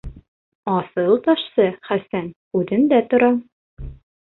Аҫыл ташсы Хәсән һүҙендә тора.